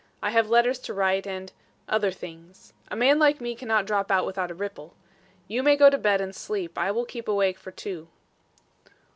I have letters to write and other things. A man like me cannot drop out without a ripple. You may go to bed and sleep. I will keep awake for two."